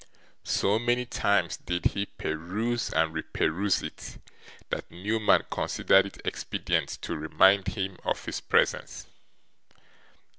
So many times did he peruse and re peruse it, that Newman considered it expedient to remind him of his presence.